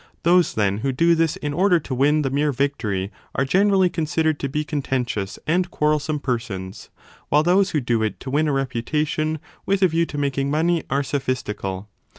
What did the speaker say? Those, then, who do this in order to win 25 the mere victory are generally considered to be contentious and quarrelsome persons, while those who do it to win a reputation with a view to making money are sophistical.